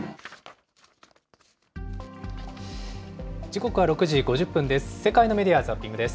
時刻は６時５０分です。